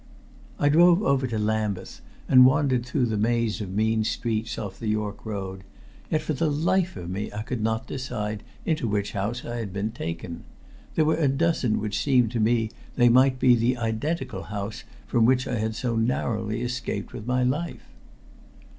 I drove over to Lambeth and wandered through the maze of mean streets off the York Road, yet for the life of me I could not decide into which house I had been taken. There were a dozen which seemed to me that they might be the identical house from which I had so narrowly escaped with my life.